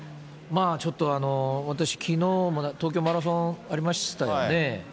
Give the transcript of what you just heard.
まあちょっと、私、きのうも東京マラソンありましたよね。